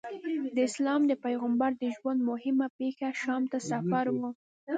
د اسلام د پیغمبر د ژوند موهمه پېښه شام ته سفر و.